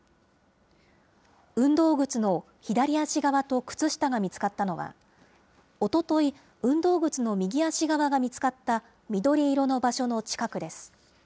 運動靴の左足側と靴下が見つかったのは、おととい、運動靴の右足側が見つかった、緑色の場所の近くです。